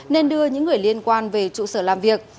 nên đưa những người liên quan về trụ sở làm việc